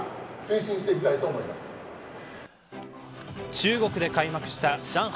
中国で開幕した上海